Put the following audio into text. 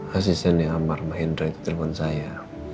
asistennya amar mahendra itu telepon saya